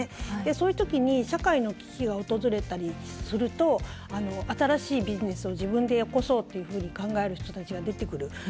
そういう時に社会の危機が訪れたりすると新しいビジネスを自分で起こそうっていうふうに考える人たちが出てくる。